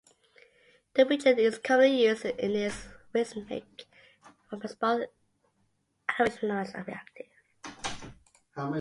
The reagent is commonly used in its racemic form, as both enantiomers are reactive.